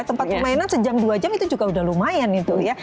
tempat permainan sejam dua jam itu juga udah lumayan itu ya